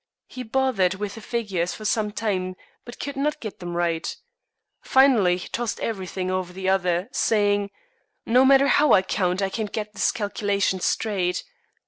He bothered with the figures for some time but could not get them right. Finally he tossed everything over to the other, saying: "No matter how I count, I can't get this calculation straight.